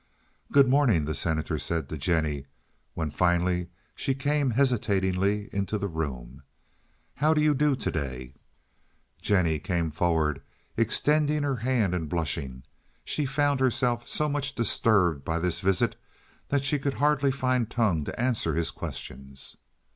"Good morning," the Senator said to Jennie, when finally she came hesitatingly into the room. "How do you do to day?" Jennie came forward, extending her hand and blushing. She found herself so much disturbed by this visit that she could hardly find tongue to answer his questions.